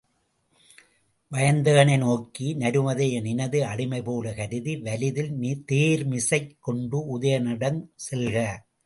வயந்தகனை நோக்கி, நருமதையை நினது அடிமைபோலக் கருதி வலிதில் தேர்மிசைக் கொண்டு உதயணனிடம் செல்க.